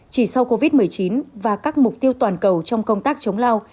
chỉ sau covid một mươi chín và các mục tiêu toàn cầu trong công tác chống lao